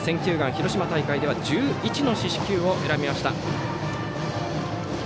広島大会では１１の四死球を選びました。